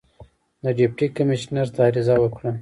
د ډیپټي کمیشنر ته عریضه وکړه.